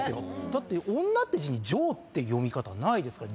だって女って字に「じょう」って読み方ないですから。